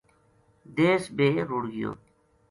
دیس بے رُڑھ گیو